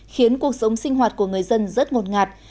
khiến cuộc sống sinh hoạt của người dân rất ngột ngạt